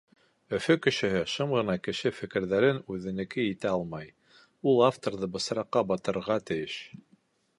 Өфө кешеһе шым ғына кеше фекрҙәрен үҙенеке итә алмай. Ул авторҙы бысраҡҡа батырырға тейеш.